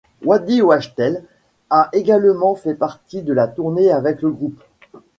Waddy Wachtel a également fait partie de la tournée avec le groupe.